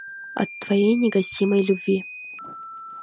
От твоей негасимой любви.